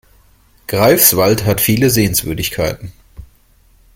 Greifswald hat viele Sehenswürdigkeiten